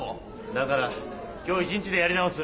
だから今日１日でやり直す。